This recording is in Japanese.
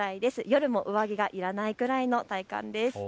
夜も上着がいらないくらいの体感です。